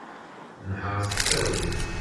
Nheṛ s ttawil.